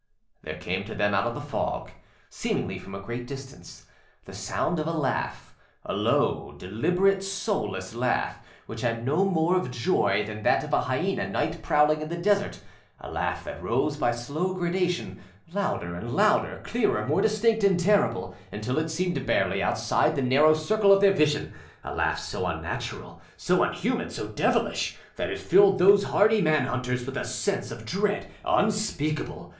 â There came to them out of the fogâseemingly from a great distanceâthe sound of a laugh, a low, deliberate, soulless laugh, which had no more of joy than that of a hyena night prowling in the desert; a laugh that rose by slow gradation, louder and louder, clearer, more distinct and terrible, until it seemed barely outside the narrow circle of their vision; a laugh so unnatural, so unhuman, so devilish, that it filled those hardy man hunters with a sense of dread unspeakable!